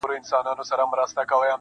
د آسمان له تشه لاسه پرېوتلې پیمانه یم-